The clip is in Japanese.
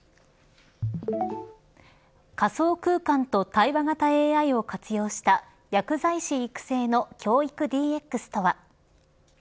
仮想空間と対話型ＡＩを活用した薬剤師育成の教育ＤＸとは。